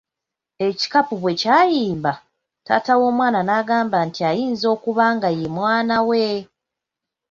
Ekikapu bwe kyayimba, taata w’omwana nagamba nti ayinza okuba nga ye mwana we.